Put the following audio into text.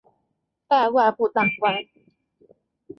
拜外部大官。